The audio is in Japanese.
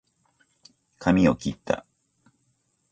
かみをきった